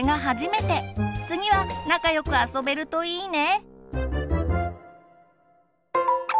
次は仲良く遊べるといいね！